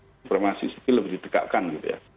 supremasi sipil lebih didekatkan gitu ya